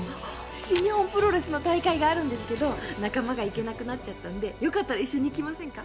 新日本プロレスの大会があるんですけど仲間が行けなくなったんでよかったら一緒に行きませんか？